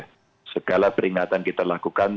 karena segala peringatan kita lakukan